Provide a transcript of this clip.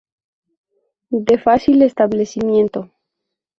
De fácil establecimiento.